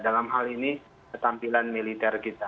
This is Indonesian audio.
dalam hal ini tampilan militer